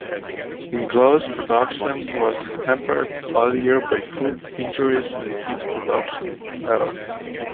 In Glaus's production was hampered all year by foot injuries and his production fell.